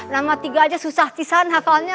nama tiga aja susah cisan hafalnya